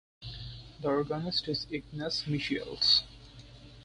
The organist is Ignace Michiels.